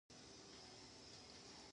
پخواني غلامان او کولون په یوه پارچه شول.